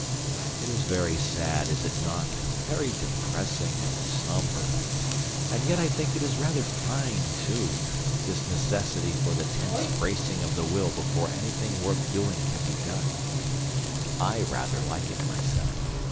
It is very sad, is it not, very depressing and sombre? And yet I think it is rather fine, too, this necessity for the tense bracing of the will before anything worth doing can be done. I rather like it myself.